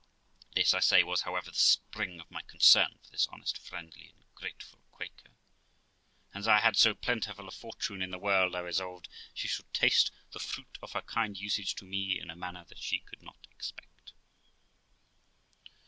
This, I say, was, however, the spring of my concern for this honest, friendly, and grateful Quaker; and as I had so plentiful a fortune in the world, I resolved she should taste the fruit of her kind usage to me in a manner that she could not expect.